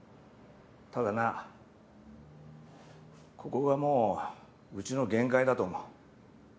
ただなここがもううちの限界だと思う。